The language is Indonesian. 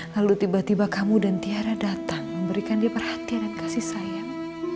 lalu tiba tiba kamu dan tiara datang memberikan dia perhatian dan kasih sayang